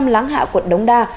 láng hạ quận đông đa